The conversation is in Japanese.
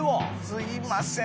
すいません